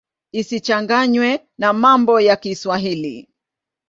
Isichanganywe na mambo ya Kiswahili.